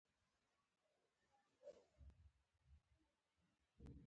مېز د مجلسو شکل ښایسته کوي.